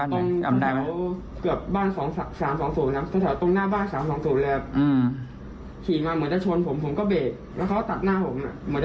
ระวังที่เคลียร์กันอยู่